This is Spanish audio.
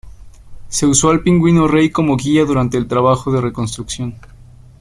Se usó al pingüino rey como guía durante el trabajo de reconstrucción.